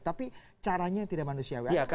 tapi caranya tidak manusiawi